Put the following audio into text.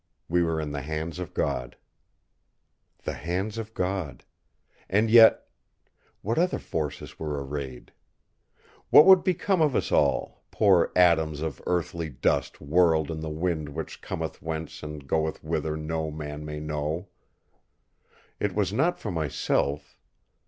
We were in the hands of God! The hands of God...! And yet...! What other forces were arrayed? ... What would become of us all, poor atoms of earthly dust whirled in the wind which cometh whence and goeth whither no man may know. It was not for myself....